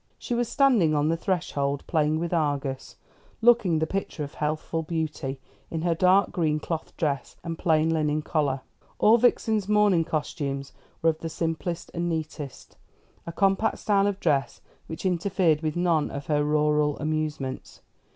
She was standing on the threshold, playing with Argus, looking the picture of healthful beauty, in her dark green cloth dress and plain linen collar. All Vixen's morning costumes were of the simplest and neatest; a compact style of dress which interfered with none of her rural amusements.